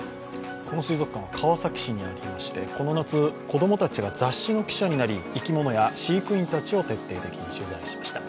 この水族館、川崎市にありましてこの夏、子供たちが雑誌の記者になり生き物や飼育員たちを徹底的に取材しました。